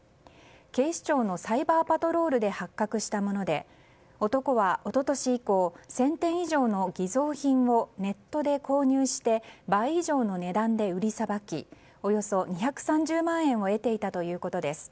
警視庁のサイバーパトロールで発覚したもので男は一昨年以降１０００点以上の偽造品をネットで購入して倍以上の値段で売りさばきおよそ２３０万円を得ていたということです。